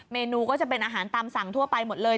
เมนูก็จะเป็นอาหารตามสั่งทั่วไปหมดเลย